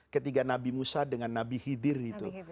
ketiga nabi musa dengan nabi hidir itu